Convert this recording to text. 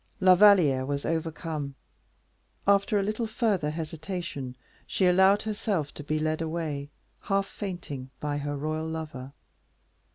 La Valliere was overcome: after a little further hesitation, she allowed herself to be led away, half fainting, by her royal lover.